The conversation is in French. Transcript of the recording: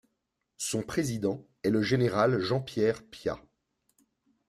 Son président est le général Jean-Pierre Piat.